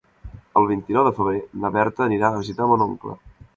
El vint-i-nou de febrer na Berta anirà a visitar mon oncle.